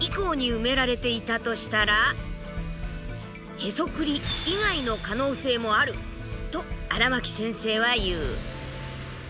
へそくり以外の可能性もあると荒巻先生は言う。